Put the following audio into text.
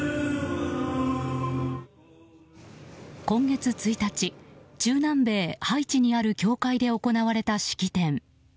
今月１日、中南米ハイチにある教会で行われた式典。